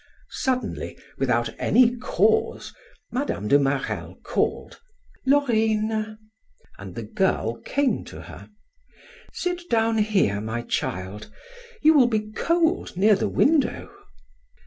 Suddenly, without any cause, Mme. de Marelle called: "Laurine!" and the girl came to her. "Sit down here, my child, you will be cold near the window."